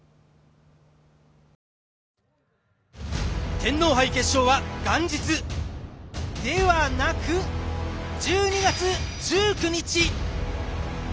天皇杯決勝は元日ではなく１２月１９日。